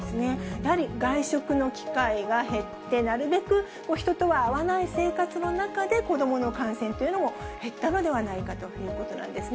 やはり外食の機会が減って、なるべく人とは会わない生活の中で、子どもの感染というのも減ったのではないかということなんですね。